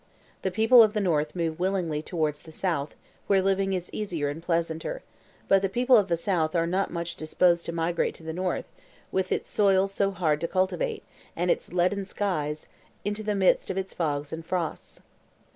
The people of the north move willingly towards the south, where living is easier and pleasanter; but the people of the south are not much disposed to migrate to the north, with its soil so hard to cultivate, and its leaden skies, and into the midst of its fogs and frosts.